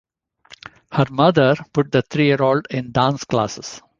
Her mother put the three-year-old in dance classes.